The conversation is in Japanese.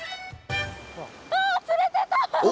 あー、釣れてた！